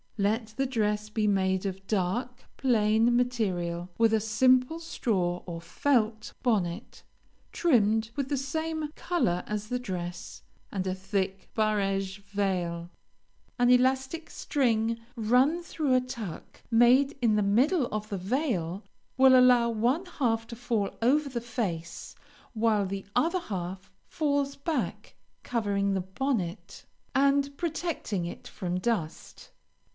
Let the dress be made of dark, plain material, with a simple straw or felt bonnet, trimmed with the same color as the dress, and a thick barege veil. An elastic string run through a tuck made in the middle of the veil, will allow one half to fall over the face, while the other half falls back, covering the bonnet, and protecting it from dust.